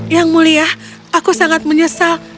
yang mulia aku sangat menyesal